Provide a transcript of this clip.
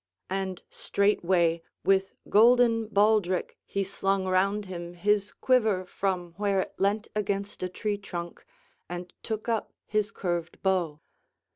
And straightway with golden baldric he slung round him his quiver from where it leant against a tree trunk, and took up his curved bow.